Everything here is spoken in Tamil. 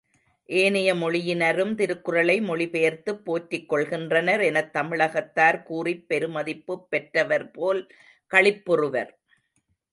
ஏனைய மொழியினரும் திருக்குறளை மொழிபெயர்த்துப் போற்றிக் கொள்கின்றனர் எனத் தமிழகத்தார் கூறிப் பெருமதிப்புப் பெற்றவர்போல் களிப்புறுவர்.